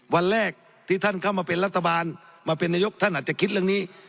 วันแรกที่ท่านเข้ามาเป็นรัฐบาลมาเป็นนายกท่านอาจจะคิดเรื่องนี้